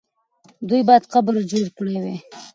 دوی باید قبر جوړ کړی وای.